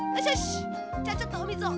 じゃあちょっとおみずを。